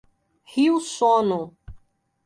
Rio Sono